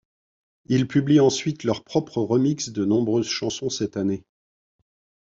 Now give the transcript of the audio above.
Ils publient ensuite leurs propres remixes de nombreuses chansons cette année.